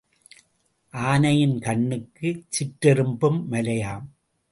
ஆனையின் கண்ணுக்குச் சிற்றெறும்பும் மலையாம்.